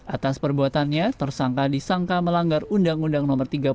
atas perbuatannya tersangka disangka melanggar undang undang no tiga puluh